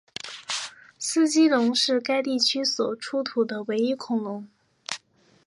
斯基龙是该地区所出土的唯一恐龙。